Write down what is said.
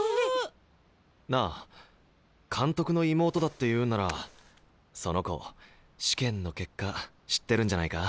なあ監督の妹だっていうんならその子試験の結果知ってるんじゃないか？